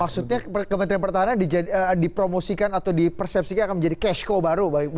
maksudnya kementerian pertahanan dipromosikan atau dipersepsikan akan menjadi cashcow baru